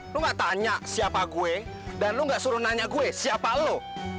lu nanya siapa gue dan lu nggak suruh nanya gue siapa lo